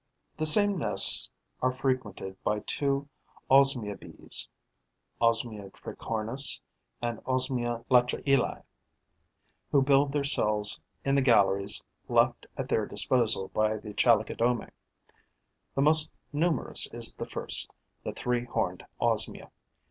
The same nests are frequented by two Osmia bees (Osmia tricornis and Osmia Latreillii), who build their cells in the galleries left at their disposal by the Chalicodomae. The most numerous is the first, the Three horned Osmia.